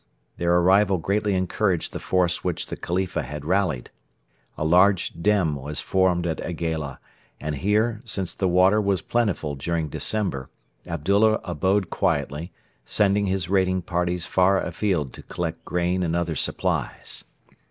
Their arrival greatly encouraged the force which the Khalifa had rallied. A large dem was formed at Aigaila, and here, since the water was plentiful during December, Abdullah abode quietly, sending his raiding parties far afield to collect grain and other supplies.